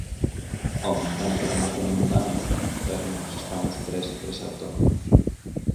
Home, tanto como que non dá non, pero nós estamos tres e tres autónomos...